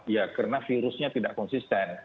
ya karena virusnya tidak konsisten